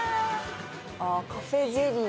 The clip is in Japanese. ああカフェゼリー？